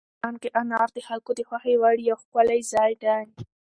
افغانستان کې انار د خلکو د خوښې وړ یو ښکلی ځای دی.